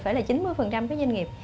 phải là chín mươi các doanh nghiệp